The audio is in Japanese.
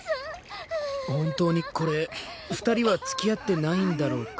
本当にこれ２人は付き合ってないんだろうか